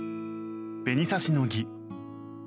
紅差しの儀。